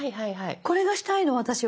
これがしたいの私は。